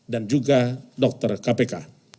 dan juga dokter kpk